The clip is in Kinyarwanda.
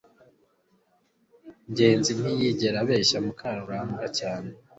ngenzi ntiyigera abeshya mukarugambwa cyane